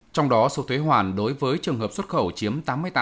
trong đó số thuế hoàn đối với trường hợp xuất khẩu chiếm tám mươi tám hai mươi tám